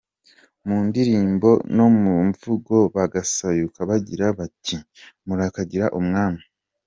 Mu ndirimbo no mu mivugo bagasayuka bagira bati, ‘murakagira umwami’.